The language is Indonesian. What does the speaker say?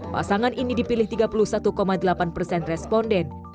pasangan ini dipilih tiga puluh satu delapan persen responden